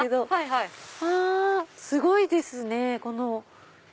すごいですねこの。